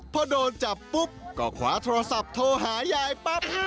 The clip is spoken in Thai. พอโดนจับปุ๊บก็ขวาโทรศัพท์โทรหายายปั๊บ